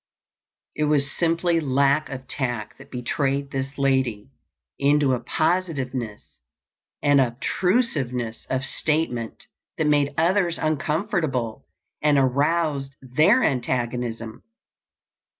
It was simply lack of tact that betrayed this lady into a positiveness and obtrusiveness of statement that made others uncomfortable and aroused their antagonism.